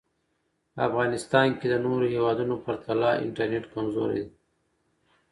په افغانیستان کې د نورو هېوادونو پرتله انټرنټ کمزوری دی